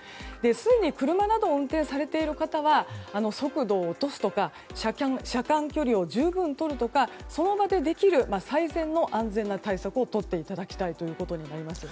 すでに車などを運転されている方は速度を落とすとか車間距離を十分とるとかその場でできる最善の安全な対策をとっていただきたいということになります。